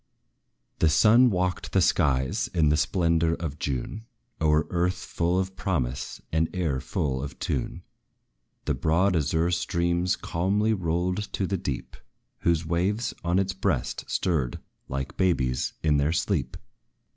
The sun walked the skies in the splendor of June, O'er earth full of promise, and air full of tune; The broad azure streams calmly rolled to the deep, Whose waves on its breast stirred like babes in their sleep.